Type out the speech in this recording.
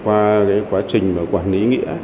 qua quá trình quản lý nghĩa